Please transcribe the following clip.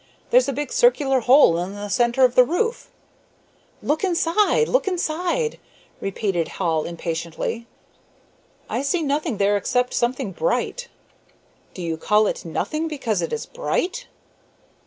"There's a big circular hole in the centre of the roof." "Look inside! Look inside!" repeated Hall, impatiently. "I see nothing there except something bright." "Do you call it nothing because it is bright?"